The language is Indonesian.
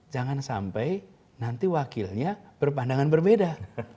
jangan sampai nanti wakilnya berpandangan berbeda